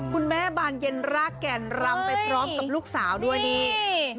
บานเย็นรากแก่นรำไปพร้อมกับลูกสาวด้วยนี่